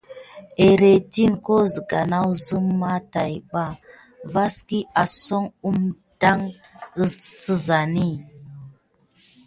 Eritudi ho siga nasim mà taïɓa vaki ninet ba ha da ki kumda sinani.